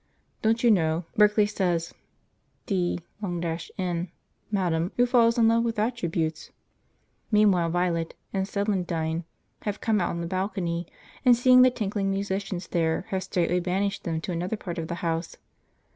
Don't you know Berkeley says, 'D n it, madam, who falls in love with attributes?'" Meantime Violet and Celandine have come out on the balcony, and seeing the tinkling musicians there, have straightway banished them to another part of the house.